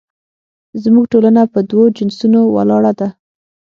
زموږ ټولنه په دوو جنسونو ولاړه ده